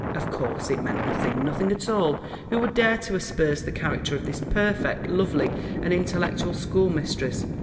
Of course it meant nothing, nothing at all. Who would dare to asperse the character of this perfect, lovely, and intellectual schoolmistress?